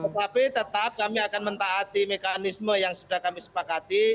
tetapi tetap kami akan mentaati mekanisme yang sudah kami sepakati